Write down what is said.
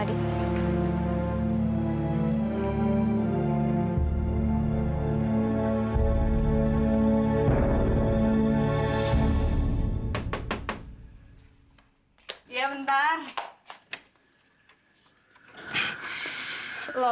jadi dia tahulah agak gila